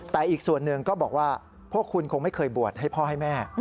แต่อีกส่วนหนึ่งก็บอกว่าพวกคุณคงไม่เคยบวชให้พ่อให้แม่